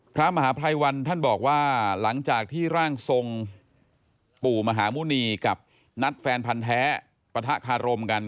พระมหาภัยวันท่านบอกว่าหลังจากที่ร่างทรงปู่มหาหมุณีกับนัดแฟนพันธ์แท้ปะทะคารมกัน